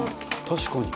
「確かに」